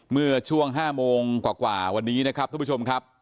เมื่อช่วง๕โมงกว่าวันนี้นะครับทุกผู้ชมครับ